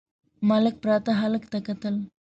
ملک پراته هلک ته کتل….